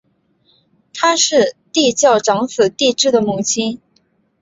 她是帝喾长子帝挚的母亲。